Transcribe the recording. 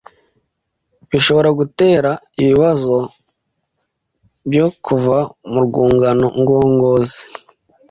bishobora gutera ibibazo byo kuva mu rwungano ngogozi